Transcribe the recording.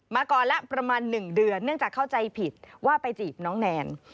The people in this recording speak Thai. มาก่อนละประมาณ๑เดือนเนื่องจากเข้าใจผิดว่าไปจีบน้องแนน